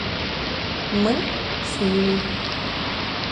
Мы с ними.